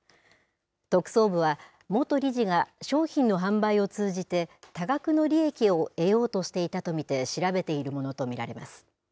特捜部は、元理事が商品の販売を通じて、多額の利益を得ようとしていたと見て調べているものと見られます。